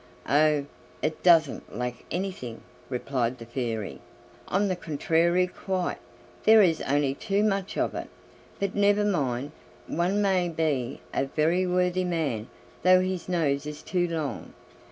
"Oh! it doesn't lack anything," replied the Fairy. "On the contrary quite, there is only too much of it. But never mind, one may be a very worthy man though his nose is too long.